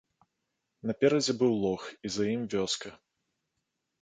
Наперадзе быў лог і за ім вёска.